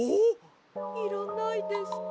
いらないですか？